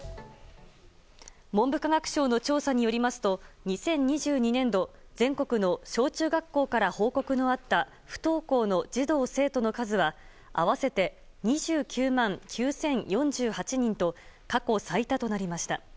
文部科学省の調査によりますと２０２２年度全国の小中学校から報告のあった不登校の児童・生徒の数は合わせて２９万９０４８人と過去最多となりました。